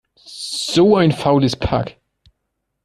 So ein faules Pack!